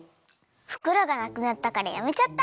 ふくろがなくなったからやめちゃった！